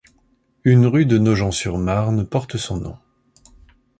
Une rue de Nogent-sur-Marne porte son nom.